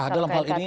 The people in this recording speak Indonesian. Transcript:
dalam hal ini